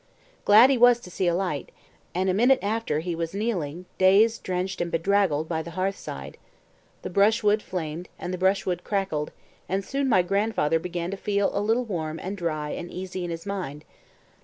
Glad he was to see a light, and a minute after he was kneeling, dazed, drenched, and bedraggled by the hearth side. The brushwood flamed, and the brushwood crackled, and soon my grandfather began to feel a little warm and dry and easy in his mind.